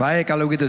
baik kalau begitu